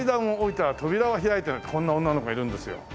こんな女の子がいるんですよ。